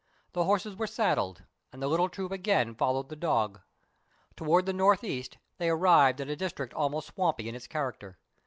The horses were saddled, and the little troop again followed the dog. Towards the north east they arrived at a district almost swampy in its character.